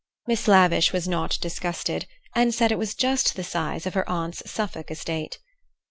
Miss Lavish was not disgusted, and said it was just the size of her aunt's Suffolk estate.